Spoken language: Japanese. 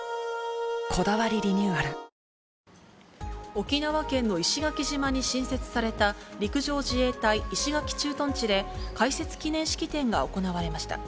沖縄県の石垣島に新設された陸上自衛隊石垣駐屯地で開設記念式典が行われました。